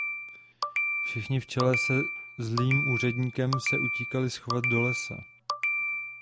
Všichni v čele se zlým úředníkem se utíkali schovat do lesa.